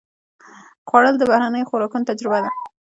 خوړل د بهرنیو خوراکونو تجربه ده